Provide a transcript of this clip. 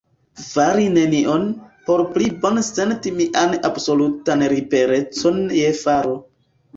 Fari nenion, por pli bone senti mian absolutan liberecon je faro.